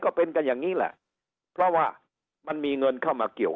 ก็เป็นกันอย่างนี้แหละเพราะว่ามันมีเงินเข้ามาเกี่ยว